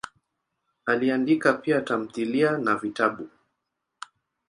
Aliandika pia tamthilia na vitabu.